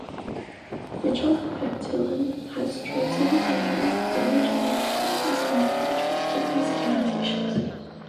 Michel Patillon has translated the entire Hermogenic corpus into French, with copious annotations.